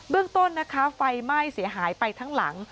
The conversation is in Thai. เรื่องต้นนะคะไฟไหม้เสียหายไปทั้งหลัง